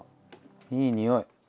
いい匂い。